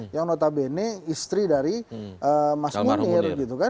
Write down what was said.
yang notabene istri dari mas munir gitu kan